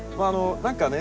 何かね